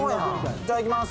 いただきます。